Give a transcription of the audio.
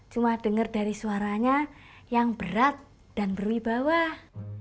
cuma denger dari suaranya yang berat dan berwi bawah